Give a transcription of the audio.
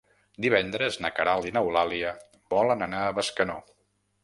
Divendres na Queralt i n'Eulàlia volen anar a Bescanó.